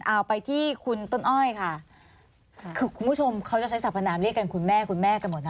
เอาไปที่คุณต้นอ้อยค่ะคือคุณผู้ชมเขาจะใช้สรรพนามเรียกกันคุณแม่คุณแม่กันหมดนะ